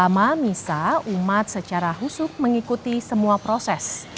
masa umat secara husub mengikuti semua proses